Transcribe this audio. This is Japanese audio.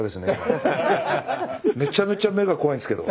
めちゃめちゃ目が怖いんですけど。